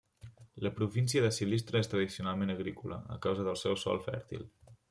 La província de Silistra és tradicionalment agrícola, a causa del seu sòl fèrtil.